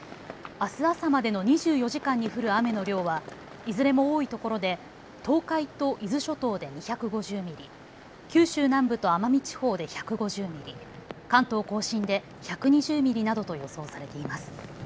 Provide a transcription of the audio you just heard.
あす朝までの２４時間に降る雨の量はいずれも多いところで東海と伊豆諸島で２５０ミリ、九州南部と奄美地方で１５０ミリ、関東甲信で１２０ミリなどと予想されています。